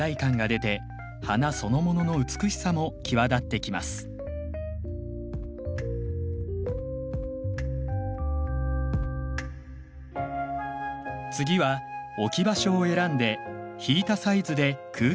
次は置き場所を選んで引いたサイズで空間と一緒に撮影します。